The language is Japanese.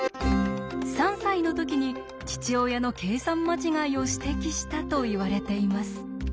３歳の時に父親の計算間違いを指摘したといわれています。